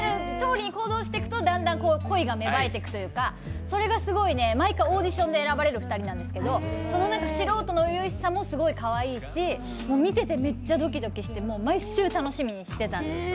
だんだん恋が芽生えていくというか、それがすごい毎回オーディションで選ばれる２人なんですけどその素人の初々しさもすごいかわいいし、見ててめっちゃドキドキして、毎週楽しみにしてたんです。